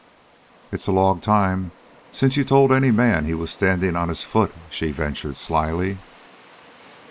"It's a long time since you told any man he was standing on his foot," she ventured slyly.